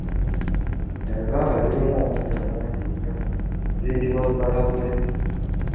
Enva nga zirimu omunnyo mungi nnyo ziyitibwa Lukalabule